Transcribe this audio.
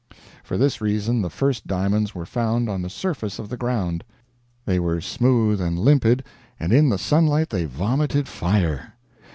For this reason the first diamonds were found on the surface of the ground. They were smooth and limpid, and in the sunlight they vomited fire.